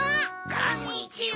こんにちは。